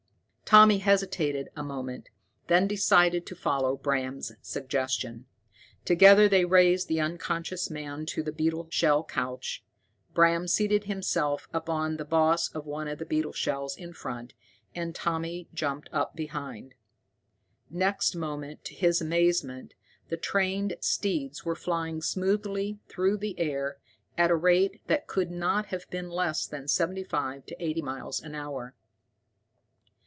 Tommy hesitated a moment, then decided to follow Bram's suggestion. Together they raised the unconscious man to the beetle shell couch. Bram seated himself upon the boss of one of the beetle shells in front, and Tommy jumped up behind. Next moment, to his amazement, the trained steeds were flying smoothly through the air, at a rate that could not have been less than seventy five to eighty miles an hour.